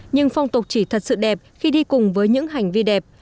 nhưng phong tục chỉ thật sự đẹp khi đi cùng với những hành vi đẹp